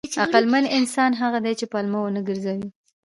عقلمن انسان هغه دی چې پلمه ونه ګرځوي.